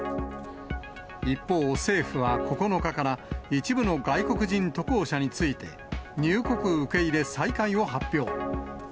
一方、政府は９日から一部の外国人渡航者について、入国受け入れ再開を発表。